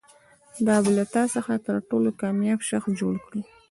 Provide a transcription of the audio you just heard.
دا به له تا څخه تر ټولو کامیاب شخص جوړ کړي.